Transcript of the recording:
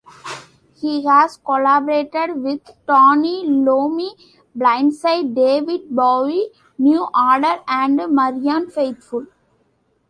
He has collaborated with Tony Iommi, Blindside, David Bowie, New Order and Marianne Faithfull.